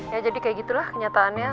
ya jadi kayak gitulah kenyataannya